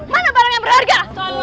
mana barang yang berharga